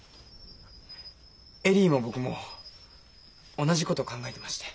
恵里も僕も同じこと考えてまして。